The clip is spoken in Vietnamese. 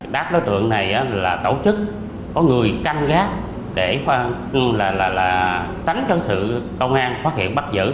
các đối tượng này là tổ chức có người canh gác để tránh cho sự công an phát hiện bắt giữ